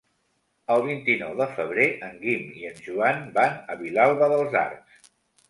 El vint-i-nou de febrer en Guim i en Joan van a Vilalba dels Arcs.